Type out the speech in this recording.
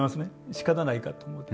しかたないかと思って。